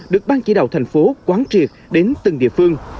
được ban chỉ đạo thành phố quán triệt đến từng địa phương